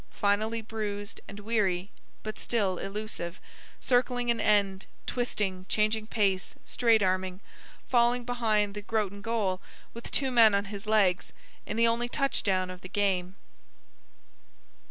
finally bruised and weary, but still elusive, circling an end, twisting, changing pace, straight arming... falling behind the Groton goal with two men on his legs, in the only touchdown of the game.